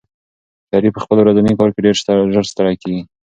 شریف په خپل ورځني کار کې ډېر ژر ستړی کېږي.